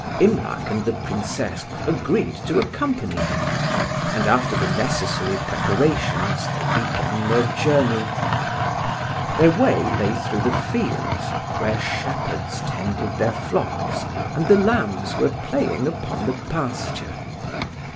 Imlac and the Princess agreed to accompany him, and after the necessary preparations, they began their journey. Their way lay through the fields, where shepherds tended their flocks and the lambs were playing upon the pasture.